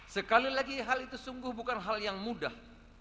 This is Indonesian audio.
sekali lagi hal itu sungguh bukan hal yang mudah